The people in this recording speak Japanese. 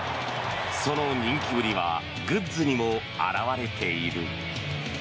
その人気ぶりはグッズにも表れている。